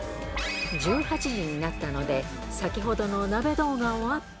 １８時になったので、先ほどの鍋動画をアップ。